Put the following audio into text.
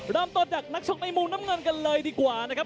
เริ่มต้นจากนักชกในมุมน้ำเงินกันเลยดีกว่านะครับ